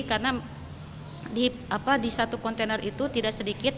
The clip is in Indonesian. karena di satu kontainer itu tidak sedikit